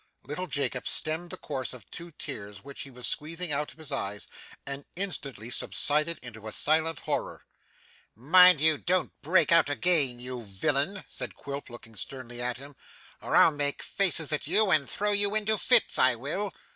Little Jacob stemmed the course of two tears which he was squeezing out of his eyes, and instantly subsided into a silent horror. 'Mind you don't break out again, you villain,' said Quilp, looking sternly at him, 'or I'll make faces at you and throw you into fits, I will.